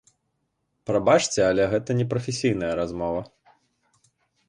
Прабачце, але гэта не прафесійная размова.